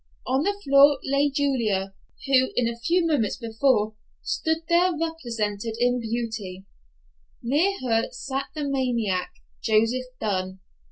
On the floor lay Julia, who a few moments before stood there resplendent in beauty. Near her sat the maniac, Joseph Dunn.